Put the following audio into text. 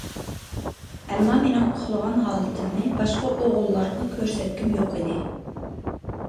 ئەمما مېنىڭ ئۇخلىغان ھالىتىمنى باشقا ئوغۇللارغا كۆرسەتكۈم يوق ئىدى.